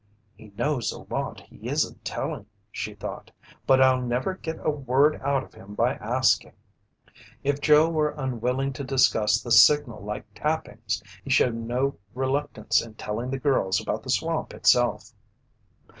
"He knows a lot he isn't telling," she thought. "But I'll never get a word out of him by asking." If Joe were unwilling to discuss the signal like tappings, he showed no reluctance in telling the girls about the swamp itself.